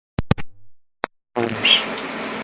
Western Suburbs